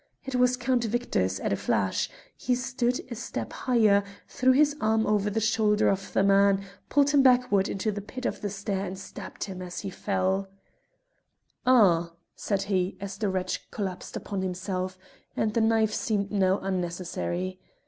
It was Count Victor's at a flash: he stood a step higher, threw his arm over the shoulder of the man, pulled him backward into the pit of the stair and stabbed at him as he fell. "Un!" said he as the wretch collapsed upon himself, and the knife seemed now unnecessary.